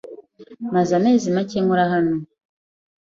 Maze amezi make nkora hano.